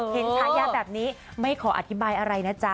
ทายาทแบบนี้ไม่ขออธิบายอะไรนะจ๊ะ